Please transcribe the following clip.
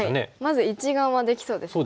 まず１眼はできそうですね。